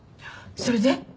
それで？